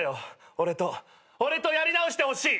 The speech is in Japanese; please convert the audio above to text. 俺と俺とやり直してほしい！